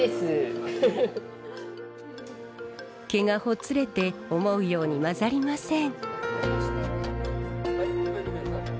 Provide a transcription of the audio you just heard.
毛がほつれて思うように混ざりません。